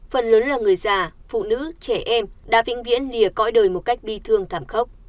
phần lớn là người già phụ nữ trẻ em đã vĩnh viễn lìa cõi đời một cách bi thương thảm khốc